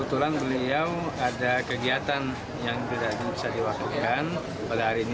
itu tadi ada keperluan yang tidak bisa diwakilkan